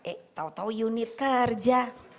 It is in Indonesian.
eh tau tau unit kerja